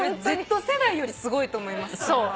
Ｚ世代よりすごいと思います。